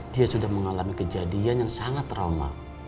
dia sudah mengalami kejadian yang sangat trauma